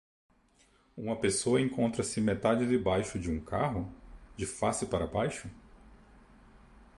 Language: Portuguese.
Uma pessoa encontra-se metade debaixo de um carro? de face para baixo.